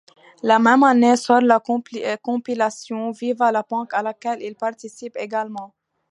La même année sort la compilation Viva la Punk à laquelle ils participent également.